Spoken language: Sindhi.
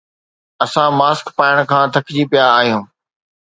اسان ماسڪ پائڻ کان ٿڪجي پيا آهيون